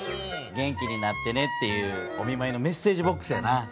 元気になってねっていうおみまいのメッセージボックスやな。